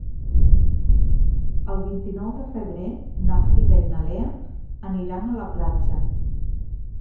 El vint-i-nou de febrer na Frida i na Lea aniran a la platja.